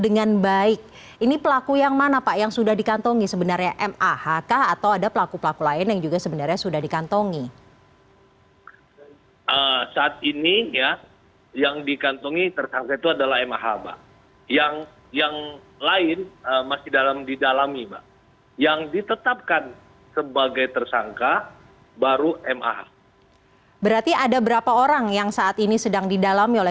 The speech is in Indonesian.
memang dia melakukan transaksi elektronik dengan si diorca dengan menjual biotanisme